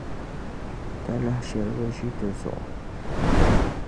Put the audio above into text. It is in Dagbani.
Talahi shɛli bi ʒi ti zuɣu.